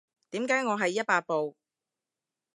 點解我係一百步